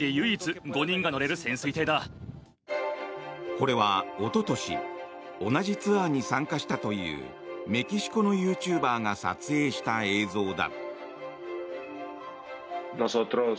これは、おととし同じツアーに参加したというメキシコのユーチューバーが撮影した映像だ。